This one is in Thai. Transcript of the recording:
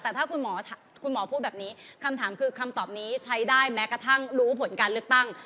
แต่ถ้าคุณหมอคุณหมอพูดแบบนี้คำถามคือคำตอบนี้ใช้ได้แม้กระทั่งรู้ผลการเลือกตั้ง